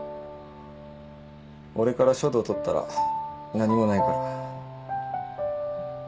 俺から書道とったら何もないから。